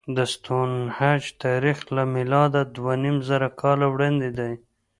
د ستونهنج تاریخ له میلاده دوهنیمزره کاله وړاندې دی.